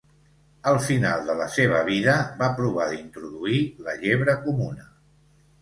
Al final de la seva vida, va provar d'introduir la llebre comuna.